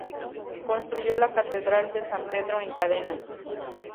Construyó la Catedral de San Pedro en Cadenas.